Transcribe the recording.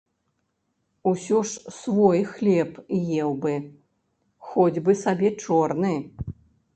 Усё ж свой хлеб еў бы, хоць бы сабе чорны!